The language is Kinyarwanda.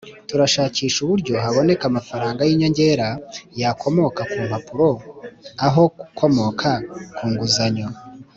turashakisha uburyo haboneka amafaranga y'inyongera yakomoka ku mpano aho gukomoka ku nguzanyo,